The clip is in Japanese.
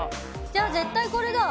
じゃあ、絶対これだ！